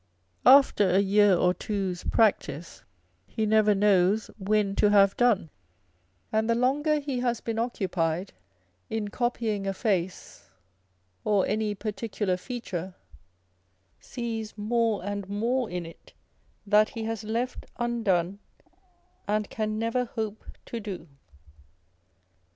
After a year or two's practice he never knows when to have done, and the longer he has been occupied in copying a face or any particular feature, sees more and more in it that he has left undone and can never hope to do.